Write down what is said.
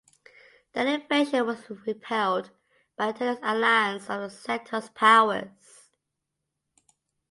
The invasion was repelled by a tenuous alliance of the Sector's powers.